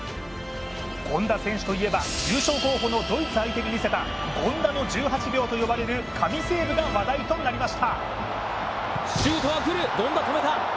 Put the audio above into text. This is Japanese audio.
権田選手といえば優勝候補のドイツ相手に見せた権田の１８秒と呼ばれる神セーブが話題となりました。